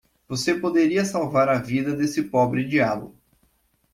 Você poderia salvar a vida desse pobre diabo.